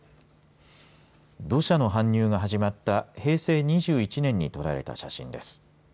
土砂の搬入が始まった平成２１年に撮られた写真です。